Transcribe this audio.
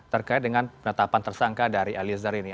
terkait dengan penetapan tersangka dari eliezer ini